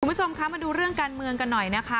คุณผู้ชมคะมาดูเรื่องการเมืองกันหน่อยนะคะ